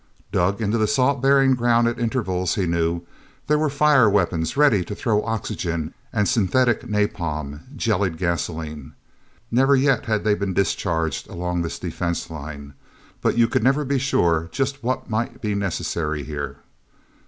Dug into the salt bearing ground at intervals, he knew, were the fire weapons ready to throw oxygen and synthetic napalm jellied gasoline. Never yet had they been discharged, along this defense line. But you could never be sure just what might be necessary here.